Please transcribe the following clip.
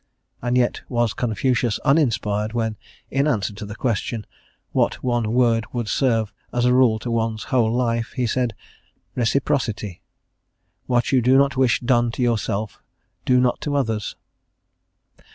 and yet was Confucius uninspired when, in answer to the question, "What one word would serve as a rule to one's whole life?" he said, "Reciprocity; what you do not wish done to yourself, do not to others."